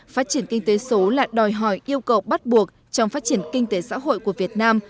phát triển kinh tế số là đòi hỏi yêu cầu bắt buộc trong phát triển kinh tế xã hội của việt nam